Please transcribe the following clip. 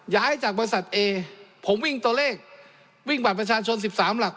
ย้ายจากบริษัทเอผมวิ่งตัวเลขวิ่งบัตรประชาชน๑๓หลัก